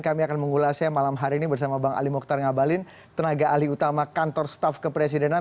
kami akan mengulasnya malam hari ini bersama bang ali mokhtar ngabalin tenaga alih utama kantor staff kepresidenan